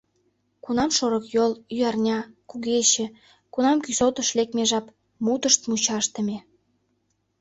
Кунам шорыкйол, ӱарня, кугече, кунам кӱсотыш лекме жап — мутышт мучашдыме.